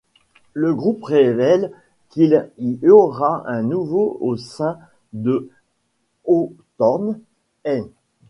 Le groupe révèle qu'il y aura un nouveau au sein de Hawthorne Heights.